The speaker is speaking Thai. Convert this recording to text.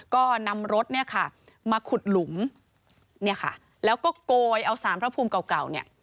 ก็นำรถมาขุดหลุมแล้วก็โกยเอาศาลพระภูมิเก่า